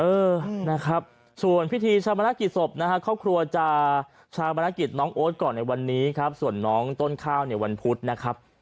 เออนะครับส่วนพิธีชามนักกิจศพนะฮะครอบครัวจะชาวบรรณกิจน้องโอ๊ตก่อนในวันนี้ครับส่วนน้องต้นข้าวในวันพุธนะครับ